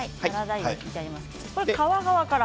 皮側から。